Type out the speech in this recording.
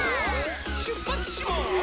しゅっぱつします！